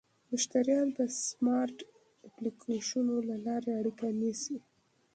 مشتریان به د سمارټ اپلیکیشنونو له لارې اړیکه نیسي.